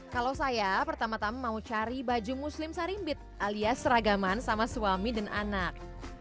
kalau saya pertama tama mau cari baju muslim sarimbit alias seragaman sama suami dan anak